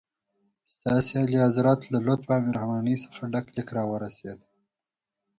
ستاسي اعلیحضرت له لطف او مهربانۍ څخه ډک لیک راورسېد.